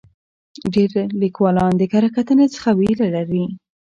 ډېر لیکوالان د کره کتنې څخه ویره لري.